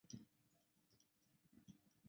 科林蒂安队的主场位于该体育场。